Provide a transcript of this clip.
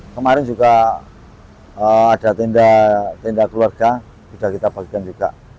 kemarin juga ada tenda keluarga sudah kita bagikan juga